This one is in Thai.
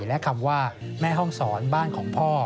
และคำว่าแม่ห้องศรบ้านของพ่อ